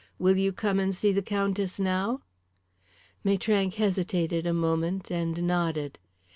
Will you come and see the Countess now?" Maitrank hesitated a moment and nodded.